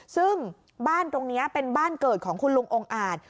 ซึ่งบ้านตรงนี้เป็นบ้านเกิดของคุณลุงองค์อาจ